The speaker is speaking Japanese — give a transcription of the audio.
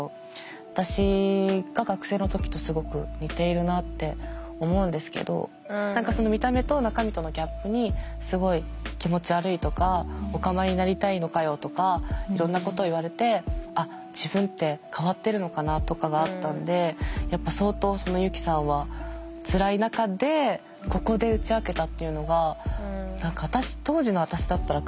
私が学生の時とすごく似ているなって思うんですけど何か見た目と中身とのギャップにすごい気持ち悪いとかオカマになりたいのかよとかいろんなこと言われて「あっ自分って変わってるのかな」とかがあったんでやっぱ相当ユキさんはつらい中でここで打ち明けたっていうのが何か当時の私だったら考えられない。